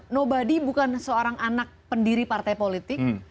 nobadi bukan seorang anak pendiri partai politik